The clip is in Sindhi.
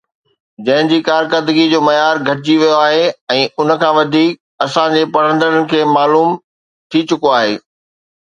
جنهن جي ڪارڪردگيءَ جو معيار گهٽجي ويو آهي ۽ ان کان وڌيڪ اسان جي پڙهندڙن کي معلوم ٿي چڪو آهي